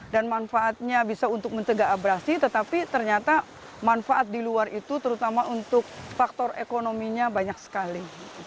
dan manfaatnya bisa untuk mencegah abrasi tetapi ternyata manfaat di luar itu terutama untuk faktor ekonominya banyak sekali